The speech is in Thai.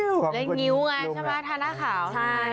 เล่นงิ้วไงใช่ไหมทาหน้าขาวใช่